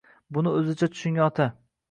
Buni o‘zicha tushungan ota.